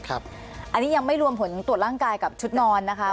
อันนี้ยังไม่รวมผลตรวจร่างกายกับชุดนอนนะคะ